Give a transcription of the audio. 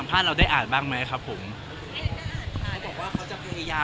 อาทิตย์ละ๒วันวันหนึ่งมันอย่างเนี่ยค่ะ